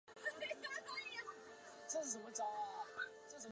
三浦羽花介为尾花介科羽花介属下的一个种。